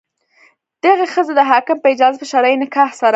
دغې ښځې د حاکم په اجازه په شرعي نکاح سره.